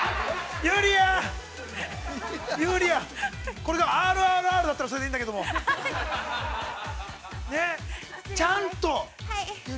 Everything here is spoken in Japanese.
これから、ＲＲＲだったらそれでいいんだけども、ちゃんと！